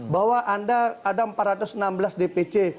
bahwa anda ada empat ratus enam belas dpc